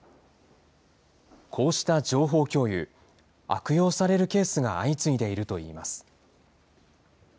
こうした情報共有、悪用されるケースが相次いでいるといいます。